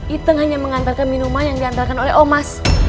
iteng hanya mengantarkan minuman yang diantarkan oleh omas